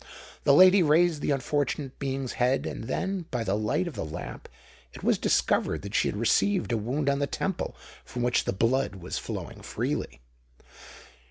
The lady raised the unfortunate being's head; and then, by the light of the lamp, it was discovered that she had received a wound on the temple, from which the blood was flowing freely.